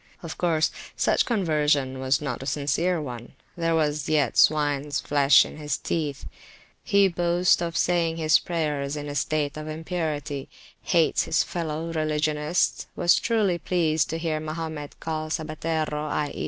Of course, such conversion was not a sincere onethere was yet swines flesh in his teeth. He boasts of saying his prayers in a state of impurity, hates his fellow religionists, was truly pleased to hear Mahomet called sabbatero, i.e.